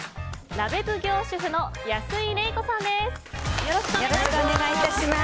鍋奉行主婦の安井レイコさんです。